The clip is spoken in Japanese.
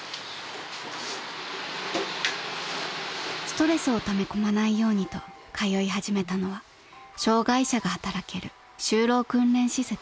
［ストレスをためこまないようにと通い始めたのは障害者が働ける就労訓練施設］